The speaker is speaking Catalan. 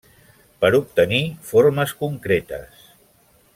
Per obtenir formes concretes.